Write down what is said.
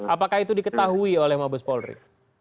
apakah itu diketahui oleh mabes polri